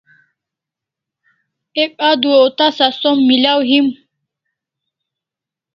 Ek adua o tasa som milaw him